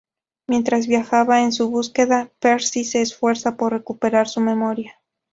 Mientras viajaban en su búsqueda, Percy se esfuerza por recuperar su memoria.